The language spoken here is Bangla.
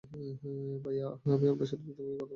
ভাইয়া, আমি আপনার সাথে ব্যক্তিগতভাবে কথা বলতে চাই।